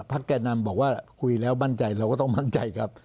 แก่นำบอกว่าคุยแล้วมั่นใจเราก็ต้องมั่นใจครับ